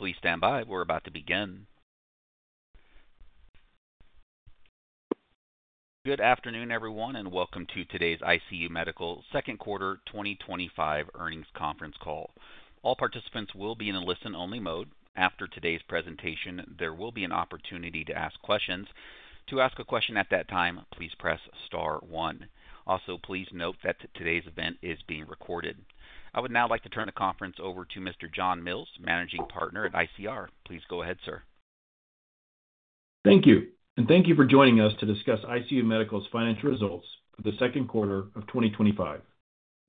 Please stand by. We're about to begin. Good afternoon, everyone, and welcome to today's ICU Medical Second Quarter 2025 Earnings Conference Call. All participants will be in a listen-only mode. After today's presentation, there will be an opportunity to ask questions. To ask a question at that time, please press star one. Also, please note that today's event is being recorded. I would now like to turn the conference over to Mr. John Mills, Managing Partner at ICR. Please go ahead, sir. Thank you, and thank you for joining us to discuss ICU Medical's financial results for the second quarter of 2025.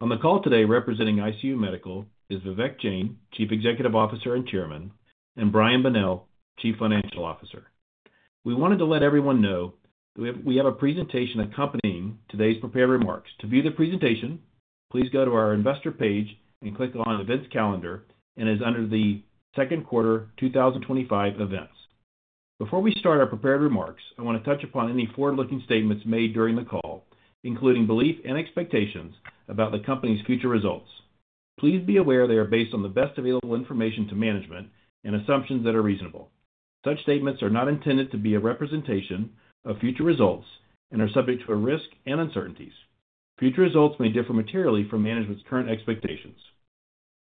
On the call today, representing ICU Medical is Vivek Jain, Chief Executive Officer and Chairman, and Brian Bonnell, Chief Financial Officer. We wanted to let everyone know that we have a presentation accompanying today's prepared remarks. To view the presentation, please go to our Investor page and click on Events Calendar, and it is under the Second Quarter 2025 Events. Before we start our prepared remarks, I want to touch upon any forward-looking statements made during the call, including belief and expectations about the company's future results. Please be aware they are based on the best available information to management and assumptions that are reasonable. Such statements are not intended to be a representation of future results and are subject to risk and uncertainties. Future results may differ materially from management's current expectations.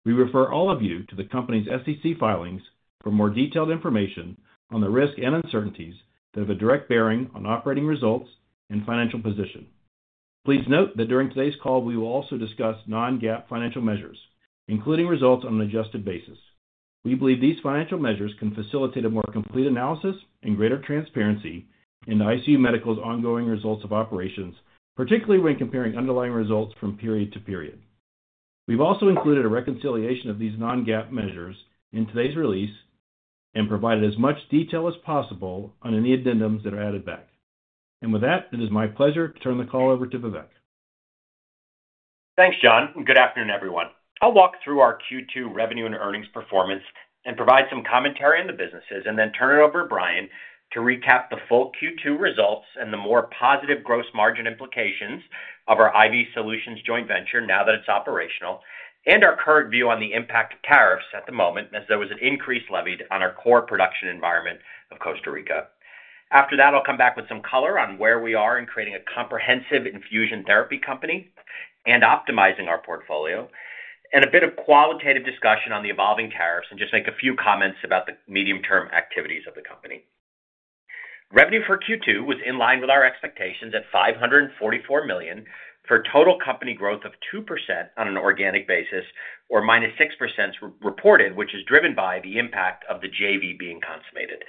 We refer all of you to the company's SEC filings for more detailed information on the risk and uncertainties that have a direct bearing on operating results and financial position. Please note that during today's call, we will also discuss non-GAAP financial measures, including results on an adjusted basis. We believe these financial measures can facilitate a more complete analysis and greater transparency in ICU Medical's ongoing results of operations, particularly when comparing underlying results from period to period. We have also included a reconciliation of these non-GAAP measures in today's release and provided as much detail as possible on any addendums that are added back. It is my pleasure to turn the call over to Vivek. Thanks, John, and good afternoon, everyone. I'll walk through our Q2 revenue and earnings performance and provide some commentary on the businesses, and then turn it over to Brian to recap the full Q2 results and the more positive gross margin implications of our IV Solutions JV now that it's operational, and our current view on the impact of tariffs at the moment, as there was an increase levied on our core production environment of Costa Rica. After that, I'll come back with some color on where we are in creating a comprehensive infusion therapy company and optimizing our portfolio, and a bit of qualitative discussion on the evolving tariffs, and just make a few comments about the medium-term activities of the company. Revenue for Q2 was in line with our expectations at $544 million for total company growth of 2% on an organic basis, or -6% reported, which is driven by the impact of the JV being consummated.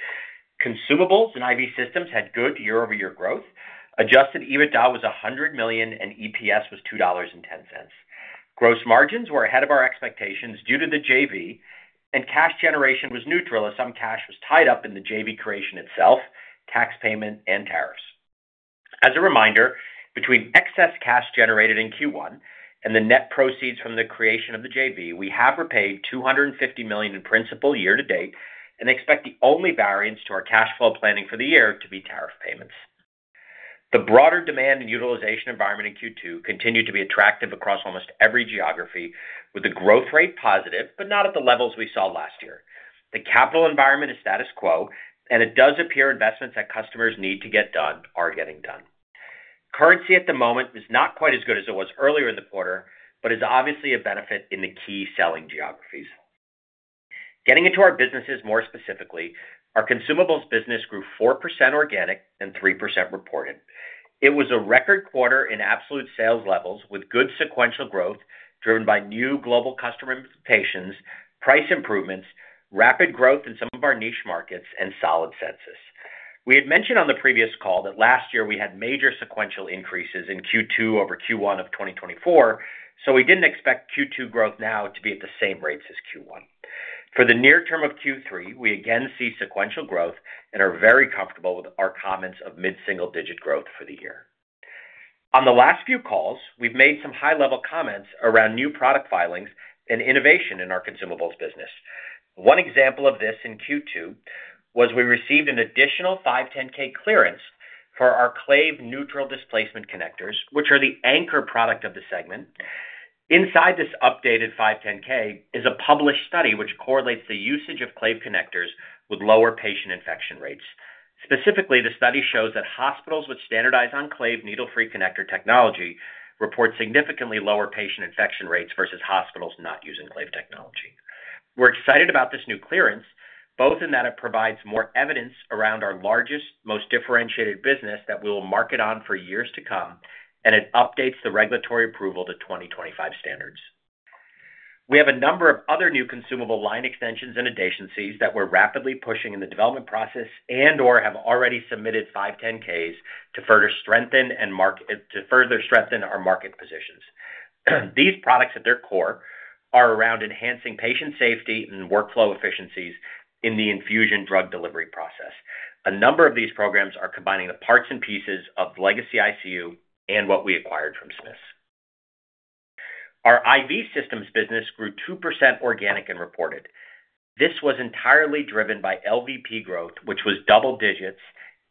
Consumables and IV Systems had good year-over-year growth. Adjusted EBITDA was $100 million and EPS was $2.10. Gross margins were ahead of our expectations due to the JV, and cash generation was neutral as some cash was tied up in the JV creation itself, tax payment, and tariffs. As a reminder, between excess cash generated in Q1 and the net proceeds from the creation of the JV, we have repaid $250 million in principal year-to-date and expect the only variance to our cash flow planning for the year to be tariff payments. The broader demand and utilization environment in Q2 continued to be attractive across almost every geography, with the growth rate positive, but not at the levels we saw last year. The capital environment is status quo, and it does appear investments that customers need to get done are getting done. Currency at the moment is not quite as good as it was earlier in the quarter, but it's obviously a benefit in the key selling geographies. Getting into our businesses more specifically, our Consumables business grew 4% organic and 3% reported. It was a record quarter in absolute sales levels with good sequential growth driven by new global customer implications, price improvements, rapid growth in some of our niche markets, and solid census. We had mentioned on the previous call that last year we had major sequential increases in Q2 over Q1 of 2024, so we didn't expect Q2 growth now to be at the same rates as Q1. For the near term of Q3, we again see sequential growth and are very comfortable with our comments of mid-single-digit growth for the year. On the last few calls, we've made some high-level comments around new product filings and innovation in our Consumables business. One example of this in Q2 was we received an additional 510(k) clearance for our Clave neutral displacement connectors, which are the anchor product of the segment. Inside this updated 510(k) is a published study which correlates the usage of Clave connectors with lower patient infection rates. Specifically, the study shows that hospitals with standardized on Clave needle-free connector technology report significantly lower patient infection rates versus hospitals not using Clave technology. We're excited about this new clearance, both in that it provides more evidence around our largest, most differentiated business that we will market on for years to come, and it updates the regulatory approval to 2025 standards. We have a number of other new consumable line extensions and adjacencies that we're rapidly pushing in the development process and/or have already submitted 510(k)s to further strengthen our market positions. These products at their core are around enhancing patient safety and workflow efficiencies in the infusion drug delivery process. A number of these programs are combining the parts and pieces of legacy ICU Medical and what we acquired from Smith. Our IV Systems business grew 2% organic and reported. This was entirely driven by LVP growth, which was double digits,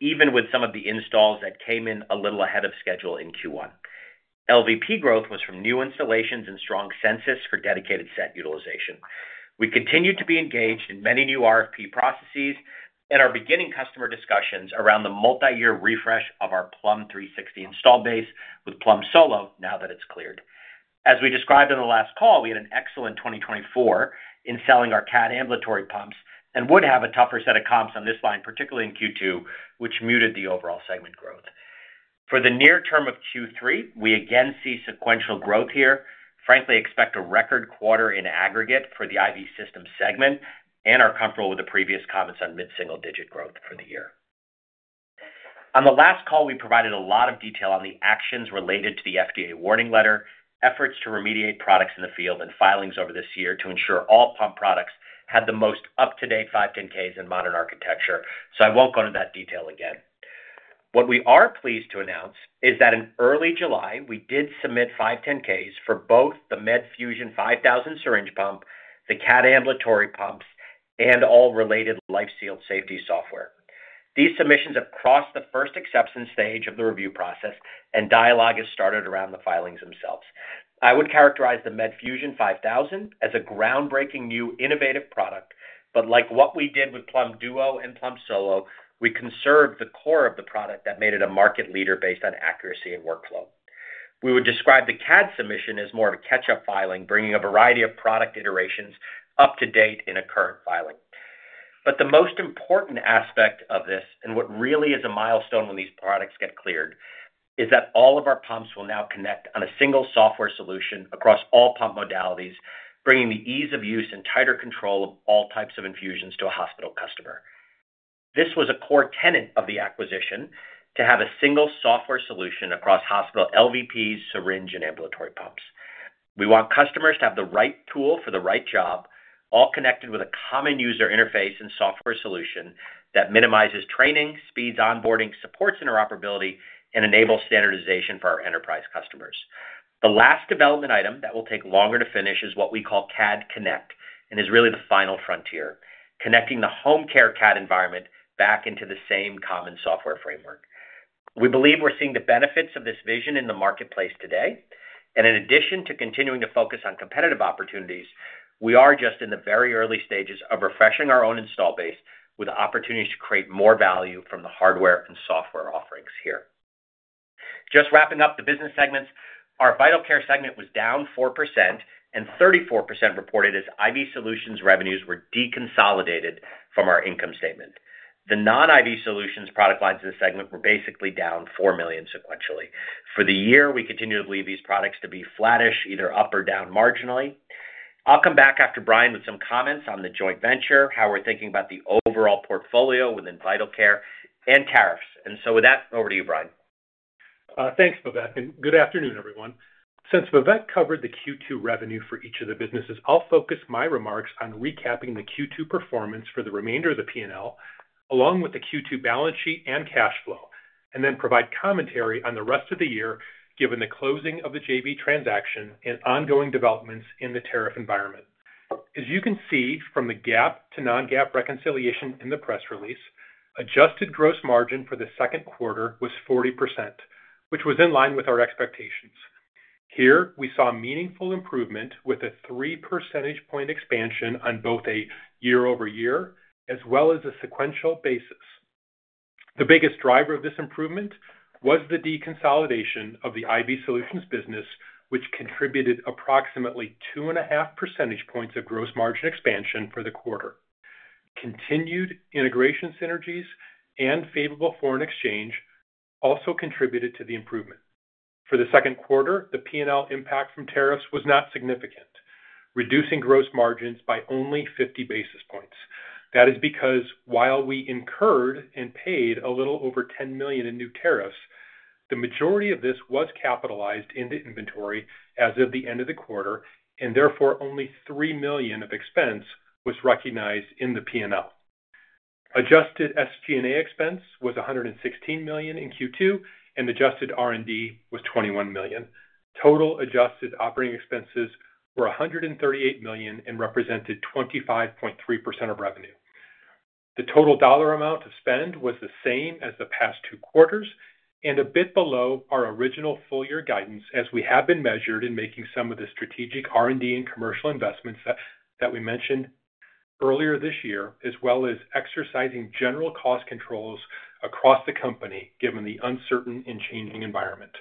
even with some of the installs that came in a little ahead of schedule in Q1. LVP growth was from new installations and strong census for dedicated set utilization. We continue to be engaged in many new RFP processes and are beginning customer discussions around the multi-year refresh of our Plum 360 install base with Plum Solo now that it's cleared. As we described in the last call, we had an excellent 2024 in selling our CADD ambulatory pumps and would have a tougher set of comps on this line, particularly in Q2, which muted the overall segment growth. For the near term of Q3, we again see sequential growth here. Frankly, expect a record quarter in aggregate for the IV Systems segment and are comfortable with the previous comments on mid-single-digit growth for the year. On the last call, we provided a lot of detail on the actions related to the FDA warning letter, efforts to remediate products in the field, and filings over this year to ensure all pump products had the most up-to-date 510(k)s in modern architecture, so I won't go into that detail again. What we are pleased to announce is that in early July, we did submit 510(k)s for both the Medfusion 5000 syringe pump, the CADD ambulatory pumps, and all related LifeShield safety software. These submissions have crossed the first acceptance stage of the review process, and dialogue has started around the filings themselves. I would characterize the Medfusion 5000 as a groundbreaking new innovative product, but like what we did with Plum Duo and Plum Solo, we conserved the core of the product that made it a market leader based on accuracy and workflow. We would describe the CADD submission as more of a catch-up filing, bringing a variety of product iterations up to date in a current filing. The most important aspect of this, and what really is a milestone when these products get cleared, is that all of our pumps will now connect on a single software solution across all pump modalities, bringing the ease of use and tighter control of all types of infusions to a hospital customer. This was a core tenet of the acquisition to have a single software solution across hospital large volume pumps, syringe, and ambulatory pumps. We want customers to have the right tool for the right job, all connected with a common user interface and software solution that minimizes training, speeds onboarding, supports interoperability, and enables standardization for our enterprise customers. The last development item that will take longer to finish is what we call CADD Connect and is really the final frontier, connecting the home care CADD environment back into the same common software framework. We believe we're seeing the benefits of this vision in the marketplace today, and in addition to continuing to focus on competitive opportunities, we are just in the very early stages of refreshing our own install base with opportunities to create more value from the hardware and software offerings here. Just wrapping up the business segments, our Vital Care segment was down 4%, and 34% reported as IV Solutions revenues were deconsolidated from our income statement. The non-IV solutions product lines in the segment were basically down $4 million sequentially. For the year, we continue to believe these products to be flattish, either up or down marginally. I'll come back after Brian with some comments on the JV, how we're thinking about the overall portfolio within Vital Care and tariffs. With that, over to you, Brian. Thanks, Vivek, and good afternoon, everyone. Since Vivek covered the Q2 revenue for each of the businesses, I'll focus my remarks on recapping the Q2 performance for the remainder of the P&L, along with the Q2 balance sheet and cash flow, and then provide commentary on the rest of the year, given the closing of the JV transaction and ongoing developments in the tariff environment. As you can see from the GAAP to non-GAAP reconciliation in the press release, adjusted gross margin for the second quarter was 40%, which was in line with our expectations. Here, we saw meaningful improvement with a 3 percentage point expansion on both a year-over-year as well as a sequential basis. The biggest driver of this improvement was the deconsolidation of the IV Solutions business, which contributed approximately 2.5 percentage points of gross margin expansion for the quarter. Continued integration synergies and favorable foreign exchange also contributed to the improvement. For the second quarter, the P&L impact from tariffs was not significant, reducing gross margins by only 50 basis points. That is because while we incurred and paid a little over $10 million in new tariffs, the majority of this was capitalized into inventory as of the end of the quarter, and therefore only $3 million of expense was recognized in the P&L. Adjusted SG&A expense was $116 million in Q2, and adjusted R&D was $21 million. Total adjusted operating expenses were $138 million and represented 25.3% of revenue. The total dollar amount of spend was the same as the past two quarters and a bit below our original full-year guidance, as we have been measured in making some of the strategic R&D and commercial investments that we mentioned earlier this year, as well as exercising general cost controls across the company, given the uncertain and changing environment.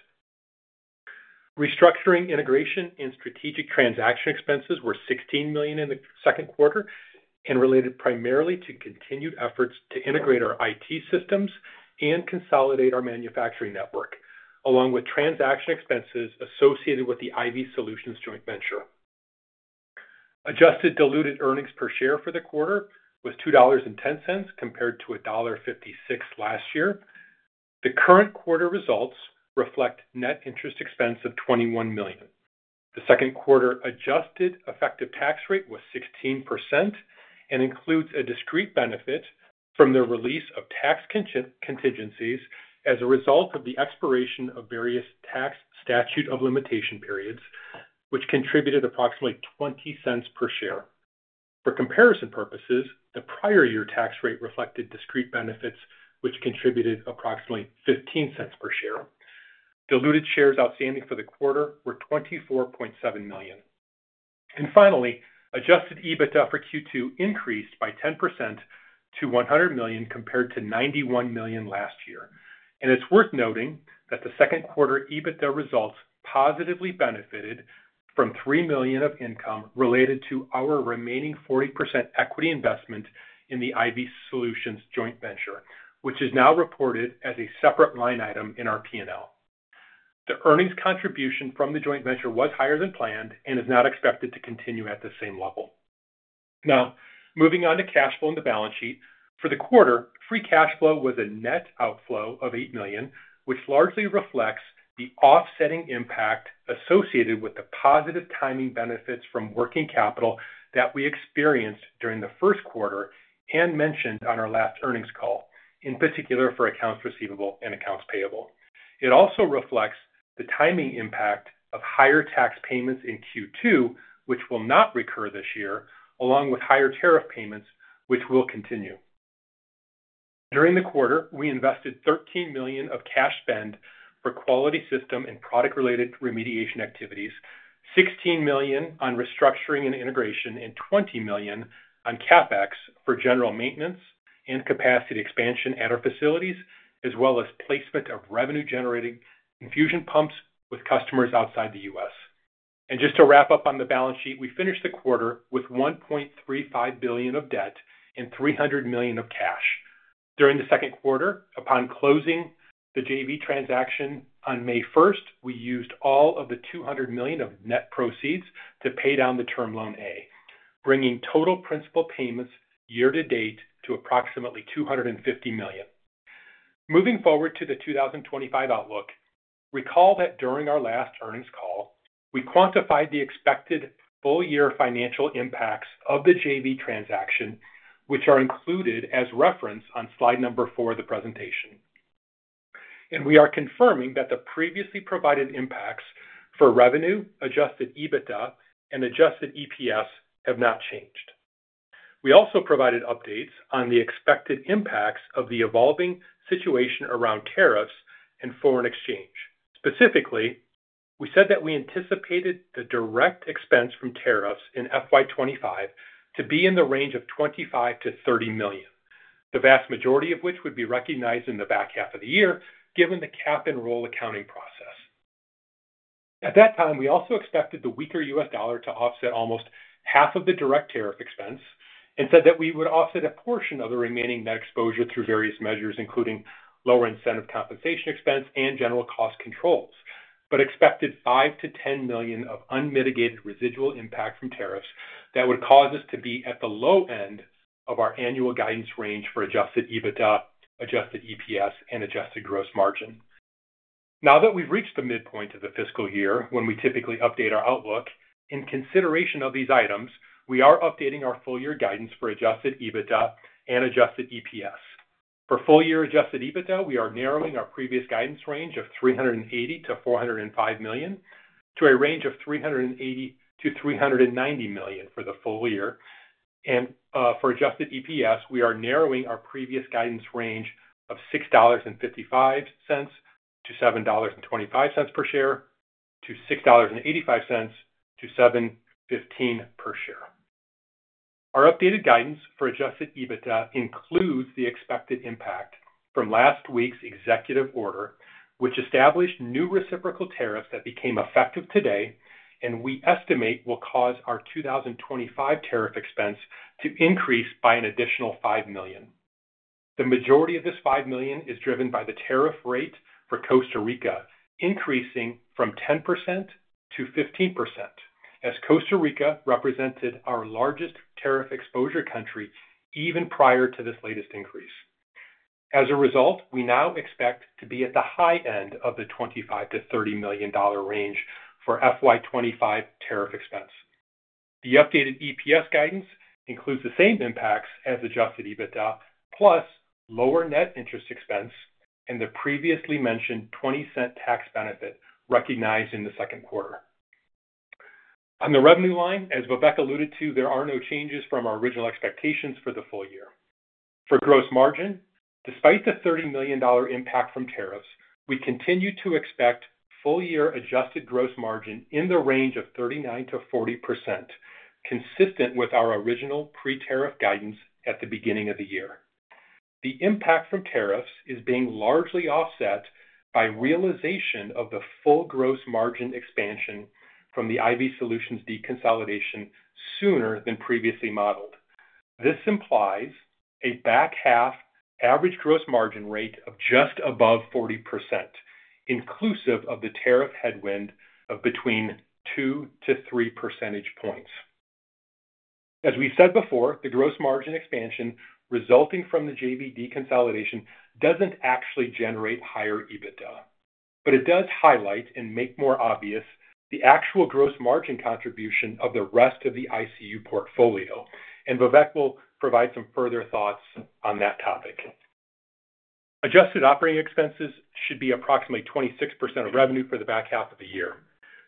Restructuring integration and strategic transaction expenses were $16 million in the second quarter and related primarily to continued efforts to integrate our IT systems and consolidate our manufacturing network, along with transaction expenses associated with the IV Solutions joint venture. Adjusted diluted earnings per share for the quarter was $2.10 compared to $1.56 last year. The current quarter results reflect net interest expense of $21 million. The second quarter adjusted effective tax rate was 16% and includes a discrete benefit from the release of tax contingencies as a result of the expiration of various tax statute of limitation periods, which contributed approximately $0.20 per share. For comparison purposes, the prior year tax rate reflected discrete benefits, which contributed approximately $0.15 per share. Diluted shares outstanding for the quarter were 24.7 million. Finally, adjusted EBITDA for Q2 increased by 10% to $100 million compared to $91 million last year. It is worth noting that the second quarter EBITDA results positively benefited from $3 million of income related to our remaining 40% equity investment in the IV Solutions joint venture, which is now reported as a separate line item in our P&L. The earnings contribution from the joint venture was higher than planned and is now expected to continue at the same level. Now, moving on to cash flow and the balance sheet, for the quarter, free cash flow was a net outflow of $8 million, which largely reflects the offsetting impact associated with the positive timing benefits from working capital that we experienced during the first quarter and mentioned on our last earnings call, in particular for accounts receivable and accounts payable. It also reflects the timing impact of higher tax payments in Q2, which will not recur this year, along with higher tariff payments, which will continue. During the quarter, we invested $13 million of cash spend for quality system and product-related remediation activities, $16 million on restructuring and integration, and $20 million on CapEx for general maintenance and capacity expansion at our facilities, as well as placement of revenue-generating infusion pumps with customers outside the U.S. To wrap up on the balance sheet, we finished the quarter with $1.35 billion of debt and $300 million of cash. During the second quarter, upon closing the JV transaction on May 1st, we used all of the $200 million of net proceeds to pay down the term loan A, bringing total principal payments year-to-date to approximately $250 million. Moving forward to the 2025 outlook, recall that during our last earnings call, we quantified the expected full-year financial impacts of the JV transaction, which are included as reference on slide number four of the presentation. We are confirming that the previously provided impacts for revenue, adjusted EBITDA, and adjusted EPS have not changed. We also provided updates on the expected impacts of the evolving situation around tariffs and foreign exchange. Specifically, we said that we anticipated the direct expense from tariffs in FY 2025 to be in the range of $25 million-$30 million, the vast majority of which would be recognized in the back half of the year, given the cap and roll accounting process. At that time, we also expected the weaker U.S. dollar to offset almost half of the direct tariff expense and said that we would offset a portion of the remaining net exposure through various measures, including lower incentive compensation expense and general cost controls, but expected $5 million-$10 million of unmitigated residual impact from tariffs that would cause us to be at the low end of our annual guidance range for adjusted EBITDA, adjusted EPS, and adjusted gross margin. Now that we've reached the midpoint of the fiscal year, when we typically update our outlook, in consideration of these items, we are updating our full-year guidance for adjusted EBITDA and adjusted EPS. For full-year adjusted EBITDA, we are narrowing our previous guidance range of $380 million-$405 million to a range of $380 million-$390 million for the full year. For adjusted EPS, we are narrowing our previous guidance range of $6.55-$7.25 per share to $6.85-$7.15 per share. Our updated guidance for adjusted EBITDA includes the expected impact from last week's executive order, which established new reciprocal tariffs that became effective today, and we estimate will cause our 2025 tariff expense to increase by an additional $5 million. The majority of this $5 million is driven by the tariff rate for Costa Rica, increasing from 10%-15%, as Costa Rica represented our largest tariff exposure country even prior to this latest increase. As a result, we now expect to be at the high end of the $25 million-$30 million range for FY 2025 tariff expense. The updated EPS guidance includes the same impacts as adjusted EBITDA, plus lower net interest expense and the previously mentioned $0.20 tax benefit recognized in the second quarter. On the revenue line, as Vivek alluded to, there are no changes from our original expectations for the full year. For gross margin, despite the $30 million impact from tariffs, we continue to expect full-year adjusted gross margin in the range of 39%-40%, consistent with our original pre-tariff guidance at the beginning of the year. The impact from tariffs is being largely offset by realization of the full gross margin expansion from the IV Solutions deconsolidation sooner than previously modeled. This implies a back half average gross margin rate of just above 40%, inclusive of the tariff headwind of between 2%-3%. As we've said before, the gross margin expansion resulting from the JV deconsolidation doesn't actually generate higher EBITDA, but it does highlight and make more obvious the actual gross margin contribution of the rest of the ICU portfolio, and Vivek will provide some further thoughts on that topic. Adjusted operating expenses should be approximately 26% of revenue for the back half of the year.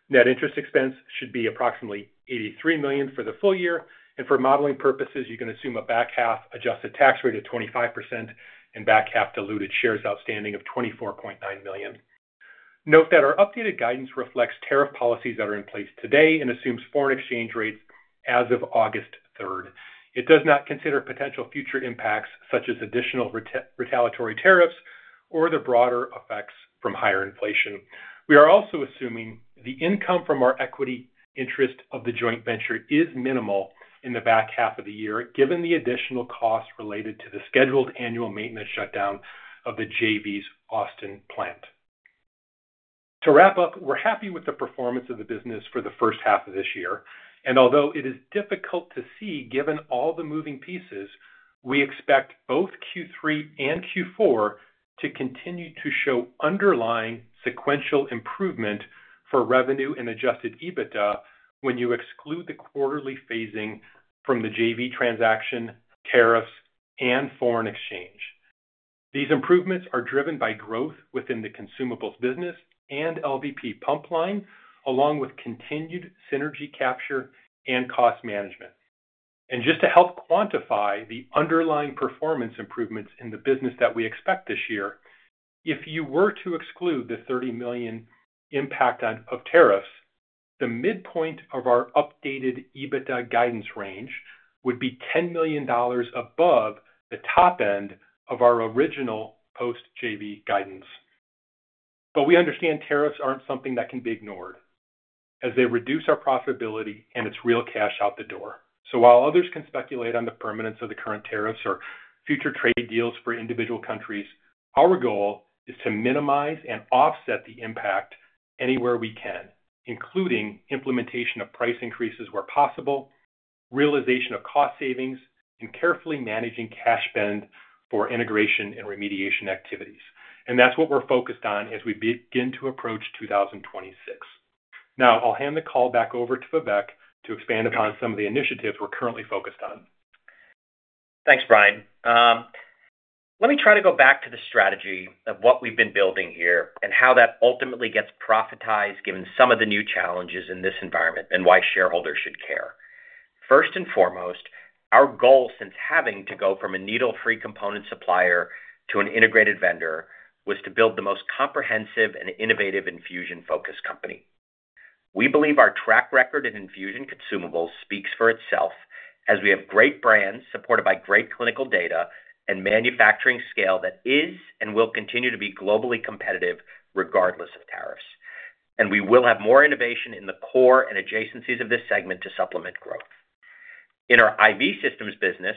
Net interest expense should be approximately $83 million for the full year, and for modeling purposes, you can assume a back half adjusted tax rate of 25% and back half diluted shares outstanding of $24.9 million. Note that our updated guidance reflects tariff policies that are in place today and assumes foreign exchange rates as of August 3rd. It does not consider potential future impacts such as additional retaliatory tariffs or the broader effects from higher inflation. We are also assuming the income from our equity interest of the joint venture is minimal in the back half of the year, given the additional costs related to the scheduled annual maintenance shutdown of the JV's Austin plant. To wrap up, we're happy with the performance of the business for the first half of this year, and although it is difficult to see given all the moving pieces, we expect both Q3 and Q4 to continue to show underlying sequential improvement for revenue and adjusted EBITDA when you exclude the quarterly phasing from the JV transaction, tariffs, and foreign exchange. These improvements are driven by growth within the Consumables business and LVP pump line, along with continued synergy capture and cost management. Just to help quantify the underlying performance improvements in the business that we expect this year, if you were to exclude the $30 million impact of tariffs, the midpoint of our updated EBITDA guidance range would be $10 million above the top end of our original post-JV guidance. We understand tariffs aren't something that can be ignored, as they reduce our profitability and it's real cash out the door. While others can speculate on the permanence of the current tariffs or future trade deals for individual countries, our goal is to minimize and offset the impact anywhere we can, including implementation of price increases where possible, realization of cost savings, and carefully managing cash spend for integration and remediation activities. That's what we're focused on as we begin to approach 2026. I'll hand the call back over to Vivek to expand upon some of the initiatives we're currently focused on. Thanks, Brian. Let me try to go back to the strategy of what we've been building here and how that ultimately gets profitized given some of the new challenges in this environment and why shareholders should care. First and foremost, our goal since having to go from a needle-free component supplier to an integrated vendor was to build the most comprehensive and innovative infusion-focused company. We believe our track record in infusion Consumables speaks for itself, as we have great brands supported by great clinical data and manufacturing scale that is and will continue to be globally competitive regardless of tariffs. We will have more innovation in the core and adjacencies of this segment to supplement growth. In our IV Systems business,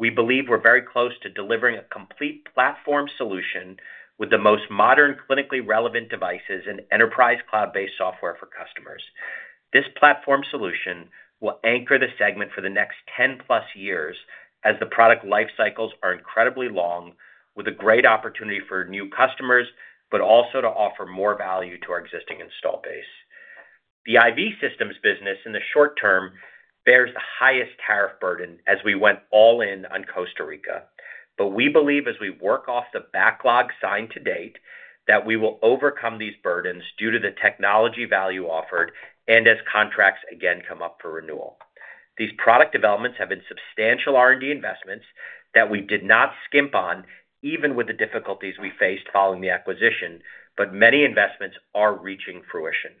we believe we're very close to delivering a complete platform solution with the most modern clinically relevant devices and enterprise cloud-based software for customers. This platform solution will anchor the segment for the next 10+ years, as the product life cycles are incredibly long, with a great opportunity for new customers, but also to offer more value to our existing install base. The IV Systems business in the short term bears the highest tariff burden as we went all in on Costa Rica, but we believe as we work off the backlog signed to date that we will overcome these burdens due to the technology value offered as contracts again come up for renewal. These product developments have been substantial R&D investments that we did not skimp on, even with the difficulties we faced following the acquisition, but many investments are reaching fruition.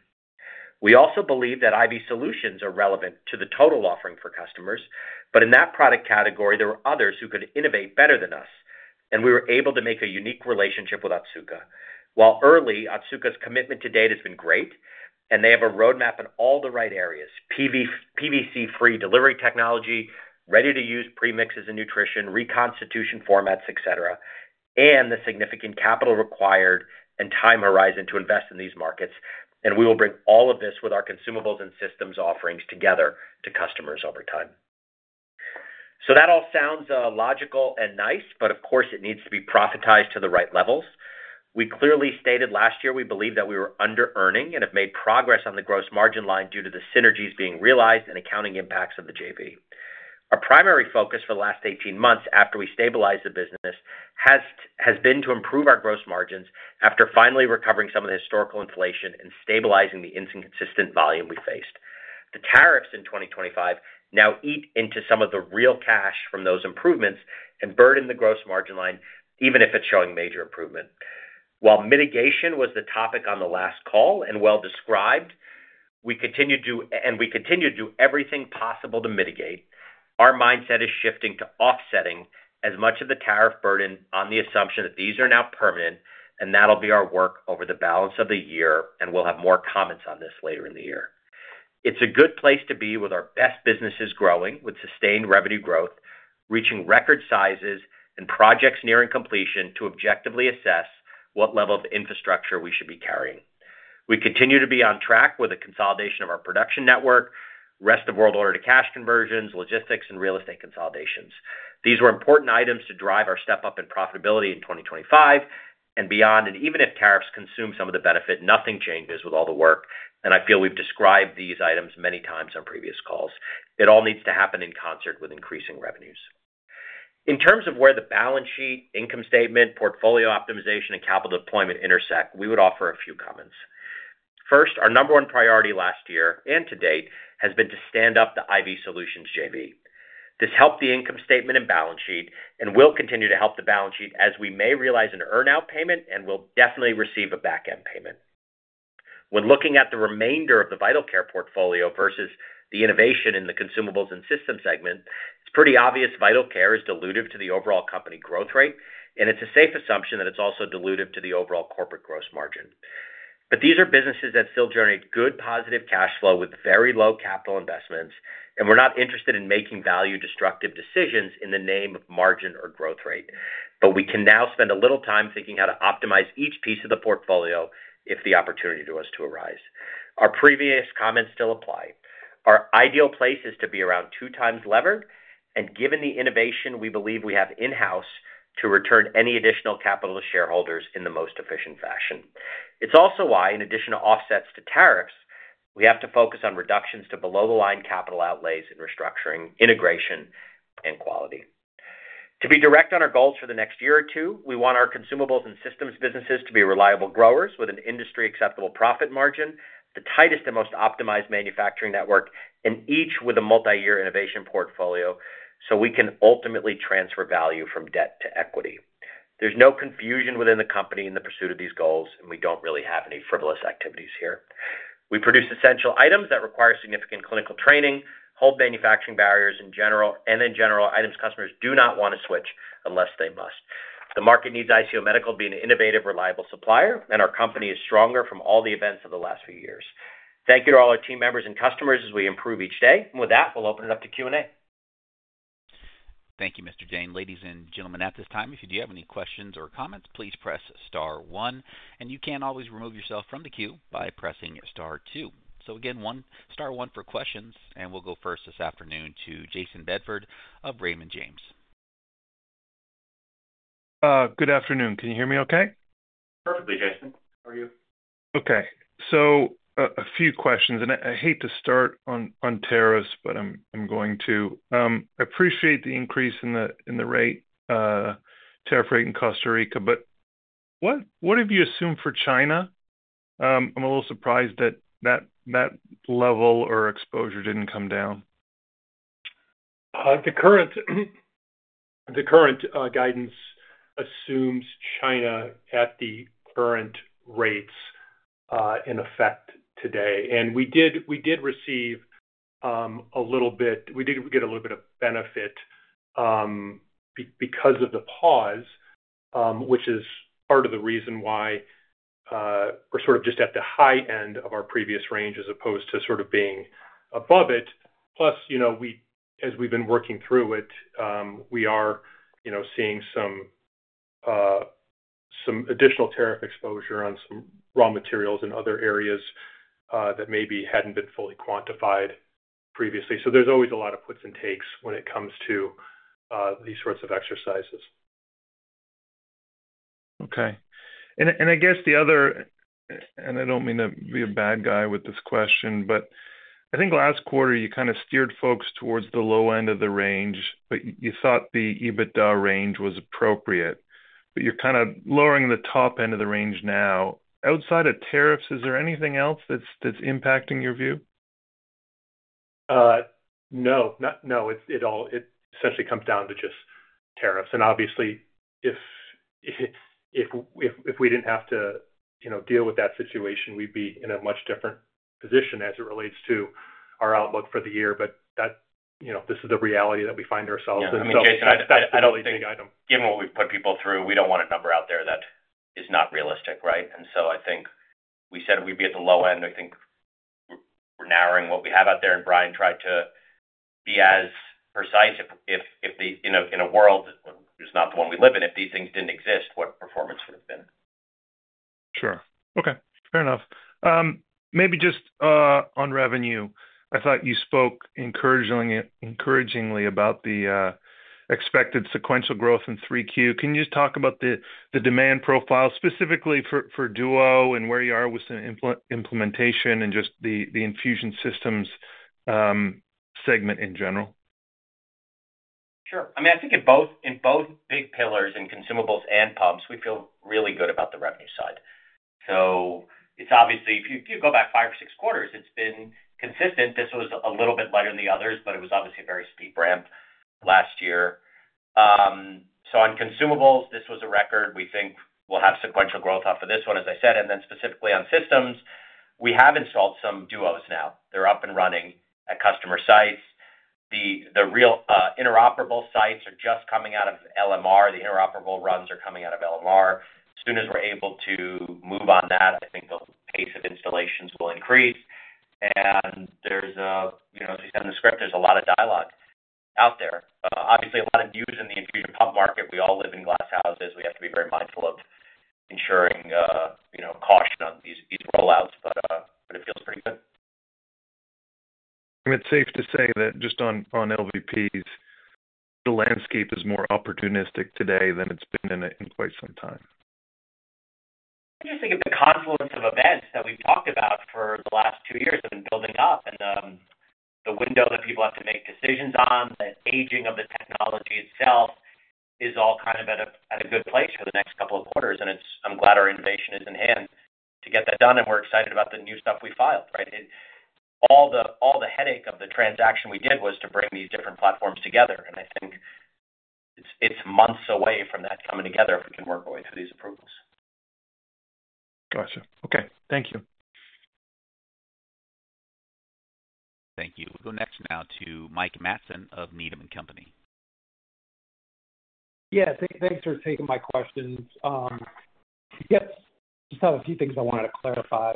We also believe that IV Solutions are relevant to the total offering for customers, but in that product category, there were others who could innovate better than us, and we were able to make a unique relationship with Otsuka. While early, Otsuka's commitment to date has been great, and they have a roadmap in all the right areas: PVC-free delivery technology, ready-to-use pre-mixes and nutrition, reconstitution formats, et cetera, and the significant capital required and time horizon to invest in these markets. We will bring all of this with our Consumables and Systems offerings together to customers over time. That all sounds logical and nice, but of course it needs to be profitized to the right levels. We clearly stated last year we believe that we were under earning and have made progress on the gross margin line due to the synergies being realized and accounting impacts of the JV. Our primary focus for the last 18 months after we stabilized the business has been to improve our gross margins after finally recovering some of the historical inflation and stabilizing the inconsistent volume we faced. The tariffs in 2025 now eat into some of the real cash from those improvements and burden the gross margin line, even if it's showing major improvement. While mitigation was the topic on the last call and well described, we continue to do everything possible to mitigate. Our mindset is shifting to offsetting as much of the tariff burden on the assumption that these are now permanent, and that'll be our work over the balance of the year, and we'll have more comments on this later in the year. It's a good place to be with our best businesses growing with sustained revenue growth, reaching record sizes, and projects nearing completion to objectively assess what level of infrastructure we should be carrying. We continue to be on track with the consolidation of our production network, rest of world order to cash conversions, logistics, and real estate consolidations. These were important items to drive our step up in profitability in 2025 and beyond, and even if tariffs consume some of the benefit, nothing changes with all the work, and I feel we've described these items many times on previous calls. It all needs to happen in concert with increasing revenues. In terms of where the balance sheet, income statement, portfolio optimization, and capital deployment intersect, we would offer a few comments. First, our number one priority last year and to date has been to stand up the IV Solutions JV. This helped the income statement and balance sheet and will continue to help the balance sheet as we may realize an earn-out payment and will definitely receive a back-end payment. When looking at the remainder of the Vital Care portfolio versus the innovation in the Consumables and Systems segment, it's pretty obvious Vital Care is diluted to the overall company growth rate, and it's a safe assumption that it's also diluted to the overall corporate gross margin. These are businesses that still generate good positive cash flow with very low capital investments, and we're not interested in making value-destructive decisions in the name of margin or growth rate. We can now spend a little time thinking how to optimize each piece of the portfolio if the opportunity was to arise. Our previous comments still apply. Our ideal place is to be around 2x lever, and given the innovation we believe we have in-house to return any additional capital to shareholders in the most efficient fashion. It's also why, in addition to offsets to tariffs, we have to focus on reductions to below-the-line capital outlays and restructuring integration and quality. To be direct on our goals for the next year or two, we want our Consumables and Systems businesses to be reliable growers with an industry-acceptable profit margin, the tightest and most optimized manufacturing network, and each with a multi-year innovation portfolio so we can ultimately transfer value from debt to equity. There's no confusion within the company in the pursuit of these goals, and we don't really have any frivolous activities here. We produce essential items that require significant clinical training, hold manufacturing barriers in general, and then general items customers do not want to switch unless they must. The market needs ICU Medical being an innovative, reliable supplier, and our company is stronger from all the events of the last few years. Thank you to all our team members and customers as we improve each day, and with that, we'll open it up to Q&A. Thank you, Mr. Jain. Ladies and gentlemen, at this time, if you do have any questions or comments, please press star one, and you can always remove yourself from the queue by pressing star two. Again, star one for questions, and we'll go first this afternoon to Jayson Bedford of Raymond James. Good afternoon. Can you hear me okay? Perfectly, Jayson. How are you? Okay. A few questions, and I hate to start on tariffs, but I'm going to. I appreciate the increase in the tariff rate in Costa Rica, but what have you assumed for China? I'm a little surprised that that level or exposure didn't come down. The current guidance assumes China at the current rates in effect today, and we did receive a little bit, we did get a little bit of benefit because of the pause, which is part of the reason why we're sort of just at the high end of our previous range as opposed to sort of being above it. Plus, as we've been working through it, we are seeing some additional tariff exposure on some raw materials and other areas that maybe hadn't been fully quantified previously. There's always a lot of puts and takes when it comes to these sorts of exercises. Okay. I guess the other, and I don't mean to be a bad guy with this question, but I think last quarter you kind of steered folks towards the low end of the range, but you thought the EBITDA range was appropriate, but you're kind of lowering the top end of the range now. Outside of tariffs, is there anything else that's impacting your view? No, it all essentially comes down to just tariffs, and obviously if we didn't have to deal with that situation, we'd be in a much different position as it relates to our outlook for the year. This is the reality that we find ourselves in. Yeah, Jayson, I don't think, given what we've put people through, we don't want a number out there that is not realistic, right? I think we said we'd be at the low end. I think we're narrowing what we have out there, and Brian tried to be as precise if the, you know, in a world, which is not the one we live in, if these things didn't exist, what performance would have been. Sure. Okay. Fair enough. Maybe just on revenue, I thought you spoke encouragingly about the expected sequential growth in Q3. Can you just talk about the demand profile specifically for Duo and where you are with some implementation and just the Infusion Systems segment in general? Sure. I mean, I think in both big pillars in Consumables and pumps, we feel really good about the revenue side. If you go back five or six quarters, it's been consistent. This was a little bit lighter than the others, but it was obviously a very steep ramp last year. On Consumables, this was a record. We think we'll have sequential growth off of this one, as I said, and then specifically on systems, we have installed some Duos now. They're up and running at customer sites. The real interoperable sites are just coming out of LMR. The interoperable runs are coming out of LMR. As soon as we're able to move on that, I think the pace of installations will increase. There's a lot of dialogue out there. Obviously, a lot of news in the infusion pump market. We all live in glass houses. We have to be very mindful of ensuring caution on these rollouts, but it feels pretty good. It is safe to say that just on LVPs, the landscape is more opportunistic today than it's been in quite some time. I just think of the confluence of events that we've talked about for the last two years has been building up, and the window that people have to make decisions on, the aging of the technology itself is all kind of at a good place for the next couple of quarters. I'm glad our innovation is in hand to get that done, and we're excited about the new stuff we filed, right? All the headache of the transaction we did was to bring these different platforms together, and I think it's months away from that coming together if we can work our way through these approvals. Got you. Okay, thank you. Thank you. We'll go next now to Mike Matson of Needham & Company. Yeah, thanks for taking my questions. I just have a few things I wanted to clarify.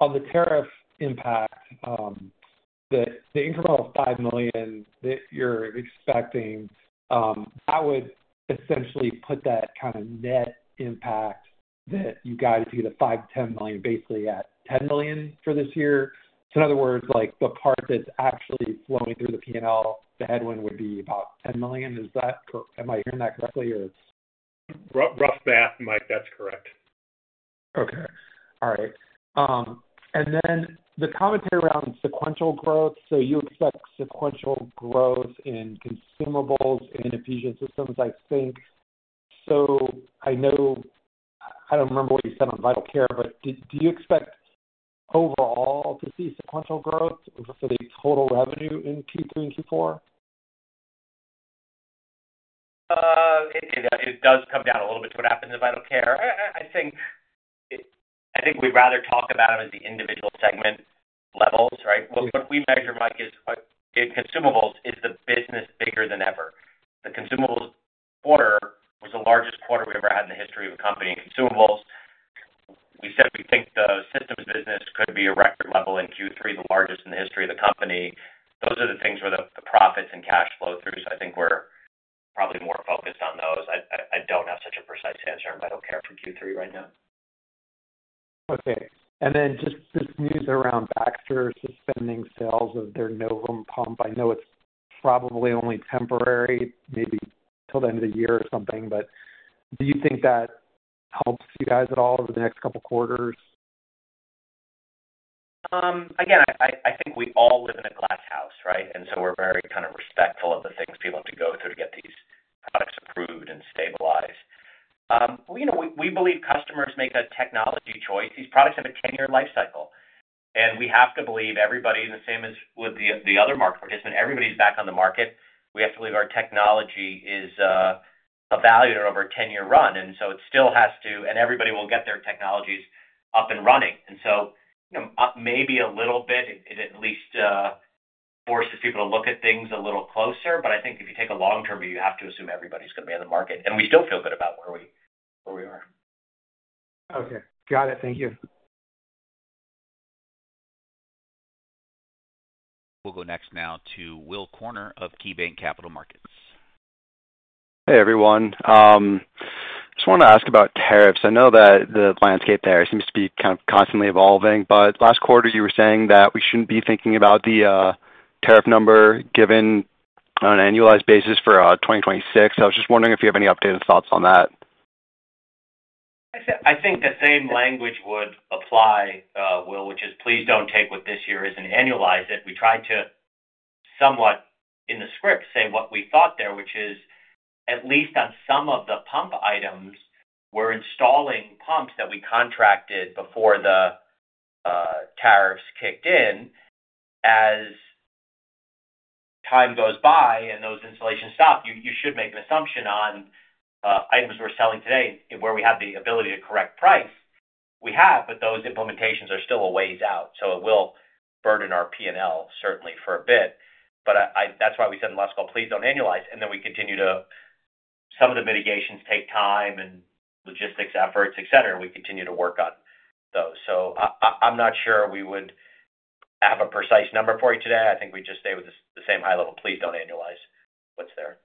On the tariff impact, the incremental $5 million that you're expecting, that would essentially put that kind of net impact that you got if you get a $5 million-$10 million basically at $10 million for this year. In other words, the part that's actually flowing through the P&L, the headwind would be about $10 million. Is that, am I hearing that correctly or? Rough math, Mike, that's correct. All right. The commentary around sequential growth, you expect sequential growth in Consumables and Infusion systems, I think. I don't remember what you said on Vital Care, but do you expect overall to see sequential growth for the total revenue in Q3 and Q4? It does come down a little bit to what happened in Vital Care. I think we'd rather talk about them as the individual segment levels, right? What we measure, Mike, is in Consumables, is the business bigger than ever. The Consumables quarter was the largest quarter we ever had in the history of the company in Consumables. We think the systems business could be a record level in Q3, the largest in the history of the company. Those are the things where the profits and cash flow through, so I think we're probably more focused on those. I don't have such a precise answer on Vital Care for Q3 right now. Okay. Just this news around Baxter suspending sales of their Novum pump, I know it's probably only temporary, maybe till the end of the year or something, but do you think that helps you guys at all over the next couple of quarters? I think we all live in a glass house, right? We're very kind of respectful of the things people have to go through to get these approved and stabilized. We believe customers make a technology choice. These products have a 10-year life cycle, and we have to believe everybody, the same as with the other market participant, everybody's back on the market. We have to believe our technology is a value in an over a 10-year run, and it still has to, and everybody will get their technologies up and running. Maybe a little bit it at least forces people to look at things a little closer, but I think if you take a long-term view, you have to assume everybody's going to be in the market, and we still feel good about where we are. Okay. Got it. Thank you. We'll go next to Will Korner of KeyBanc Capital Markets. Hey everyone. I just want to ask about tariffs. I know that the landscape there seems to be kind of constantly evolving, but last quarter you were saying that we shouldn't be thinking about the tariff number given on an annualized basis for 2026. I was just wondering if you have any updated thoughts on that. I think the same language would apply, Will, which is please don't take what this year is and annualize it. We tried to somewhat in the script say what we thought there, which is at least on some of the pump items, we're installing pumps that we contracted before the tariffs kicked in. As time goes by and those installations stop, you should make an assumption on items we're selling today where we have the ability to correct price. We have, but those implementations are still a ways out. It will burden our P&L certainly for a bit. That's why we said in the last call, please don't annualize. We continue to, some of the mitigations take time and logistics efforts, et cetera. We continue to work on those. I'm not sure we would have a precise number for you today. I think we'd just stay with the same high level, please don't annualize what's there.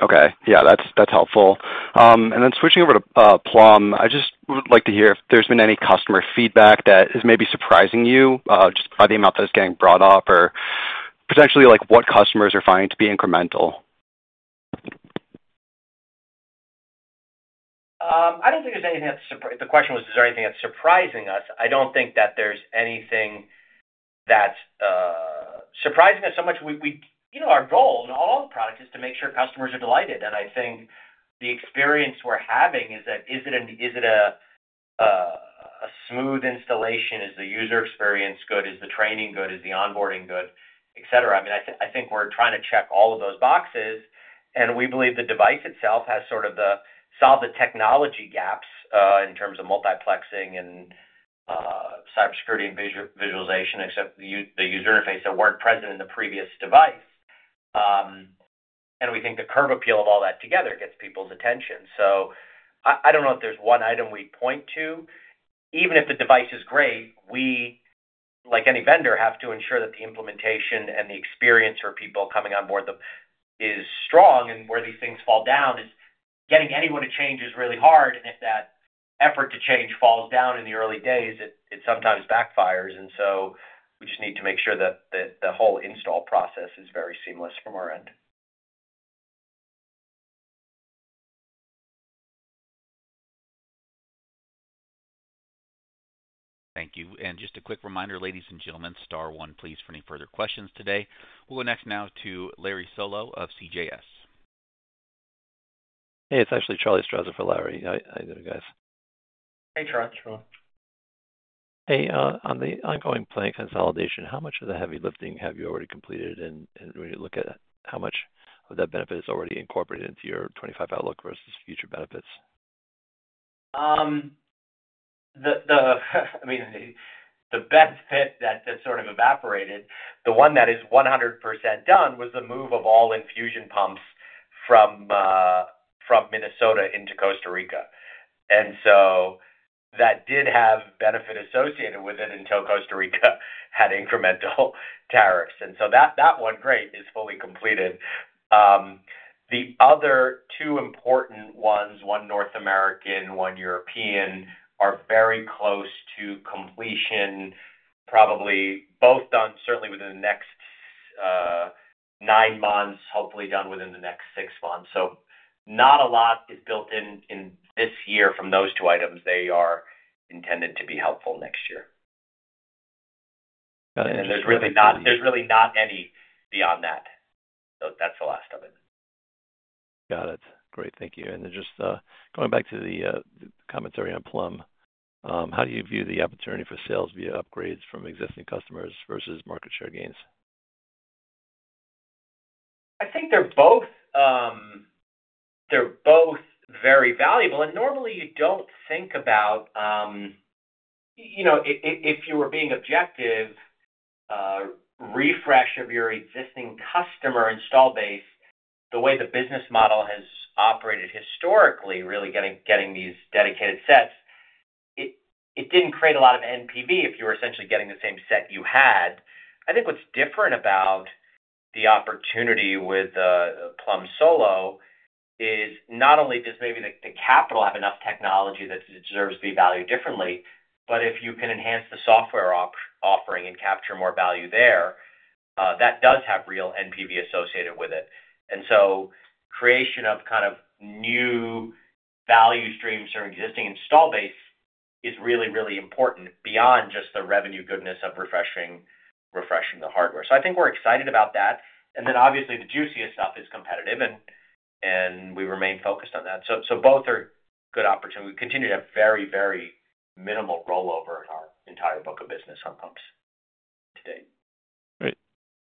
Okay. Yeah, that's helpful. Switching over to Plum, I just would like to hear if there's been any customer feedback that is maybe surprising you just by the amount that is getting brought up or potentially what customers are finding to be incremental? I don't think there's anything that's surprising. The question was, is there anything that's surprising us? I don't think that there's anything that's surprising us so much. Our goal in all of the products is to make sure customers are delighted. I think the experience we're having is that, is it a smooth installation? Is the user experience good? Is the training good? Is the onboarding good, et cetera. I think we're trying to check all of those boxes. We believe the device itself has sort of solved the technology gaps in terms of multiplexing and cybersecurity and visualization, except the user interface that weren't present in the previous device. We think the curb appeal of all that together gets people's attention. I don't know if there's one item we point to. Even if the device is great, we, like any vendor, have to ensure that the implementation and the experience for people coming on board is strong. Where these things fall down is getting anyone to change is really hard. If that effort to change falls down in the early days, it sometimes backfires. We just need to make sure that the whole install process is very seamless from our end. Thank you. Just a quick reminder, ladies and gentlemen, star one, please, for any further questions today. We'll go next now to Larry Solow of CJS. Hey, it's actually Charlie Strauzer for Larry. Hi there, guys. Hey, Charlie. Hey. On the ongoing planning consolidation, how much of the heavy lifting have you already completed? When you look at how much of that benefit is already incorporated into your 2025 outlook versus future benefits? I mean, the benefit that sort of evaporated, the one that is 100% done was the move of all infusion pumps from Minnesota into Costa Rica. That did have benefit associated with it until Costa Rica had incremental tariffs. That one grade is fully completed. The other two important ones, one North American, one European, are very close to completion, probably both done certainly within the next nine months, hopefully done within the next six months. Not a lot is built in this year from those two items. They are intended to be helpful next year. Got it. There’s really not any beyond that. That’s the last of it. Got it. Great. Thank you. Just going back to the comments already on Plum, how do you view the opportunity for sales via upgrades from existing customers versus market share gains? I think they're both very valuable. Normally you don't think about, you know, if you were being objective, refresh of your existing customer install base, the way the business model has operated historically, really getting these dedicated sets, it didn't create a lot of NPV if you were essentially getting the same set you had. I think what's different about the opportunity with Plum Solo is not only does maybe the capital have enough technology that it deserves to be valued differently, but if you can enhance the software offering and capture more value there, that does have real NPV associated with it. Creation of kind of new value streams from existing install base is really, really important beyond just the revenue goodness of refreshing the hardware. I think we're excited about that. Obviously the juiciest stuff is competitive, and we remain focused on that. Both are good opportunities. We continue to have very, very minimal rollover in our entire book of business on pumps today. Great.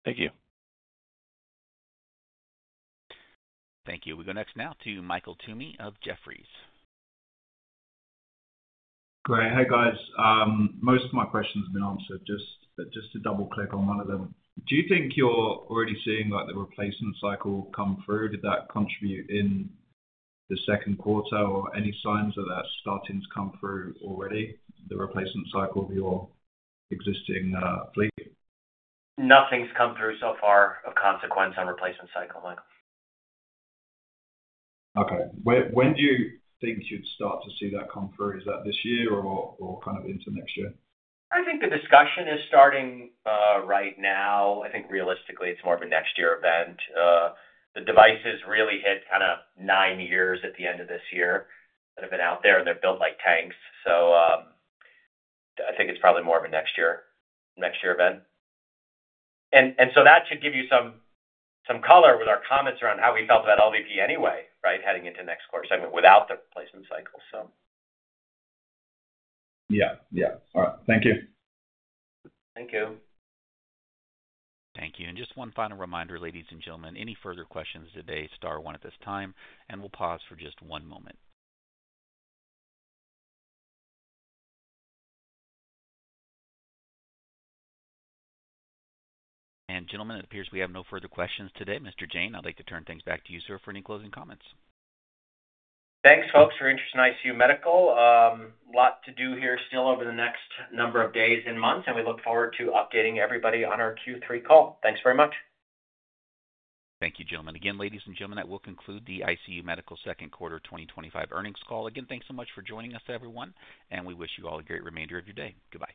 Thank you. Thank you. We go next now to Michael Toomey of Jefferies. Great. Hi guys. Most of my questions have been answered, but just to double click on one of them. Do you think you're already seeing like the replacement cycle come through? Did that contribute in the second quarter, or any signs of that starting to come through already, the replacement cycle for your existing fleet? Nothing's come through so far of consequence on replacement cycle, Michael. Okay. When do you think you'd start to see that come through? Is that this year or kind of into next year? I think the discussion is starting right now. I think realistically it's more of a next year event. The devices really hit kind of nine years at the end of this year that have been out there, and they're built like tanks. I think it's probably more of a next year, next year event. That should give you some color with our comments around how we felt about LVP anyway, right, heading into next quarter segment without the replacement cycle. Yeah, all right. Thank you. Thank you. Thank you. Just one final reminder, ladies and gentlemen, any further questions today, star one at this time. We'll pause for just one moment. Gentlemen, it appears we have no further questions today. Mr. Jain, I'd like to turn things back to you, sir, for any closing comments. Thanks, folks, for your interest in ICU Medical. A lot to do here still over the next number of days and months, and we look forward to updating everybody on our Q3 call. Thanks very much. Thank you, gentlemen. Again, ladies and gentlemen, that will conclude the ICU Medical Second Quarter 2025 Earnings Call. Again, thanks so much for joining us, everyone, and we wish you all a great remainder of your day. Goodbye.